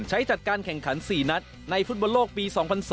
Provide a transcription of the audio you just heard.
จัดการแข่งขัน๔นัดในฟุตบอลโลกปี๒๐๐๒